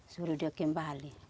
suruh dia kembali